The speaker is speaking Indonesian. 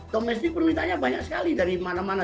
domestik permintaannya banyak sekali dari mana mana